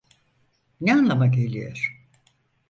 Ne anlama geliyor?